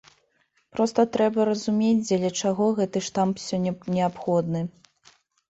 Проста трэба разумець, дзеля чаго гэта штамп сёння неабходны.